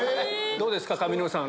どうですか上沼さん